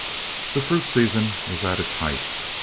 The fruit season was at its height.